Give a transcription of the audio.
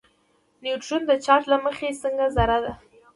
نیوټرون د چارچ له مخې څنګه ذره ده.